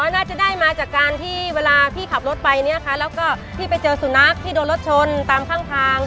น่าจะได้มาจากการที่เวลาพี่ขับรถไปเนี่ยค่ะแล้วก็พี่ไปเจอสุนัขที่โดนรถชนตามข้างทาง